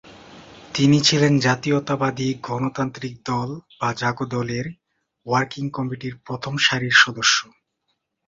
তিনি ছিলেন জাতীয়তাবাদী গণতান্ত্রিক দল বা জাগদল-এর ওয়ার্কিং কমিটির প্রথম সারির সদস্য।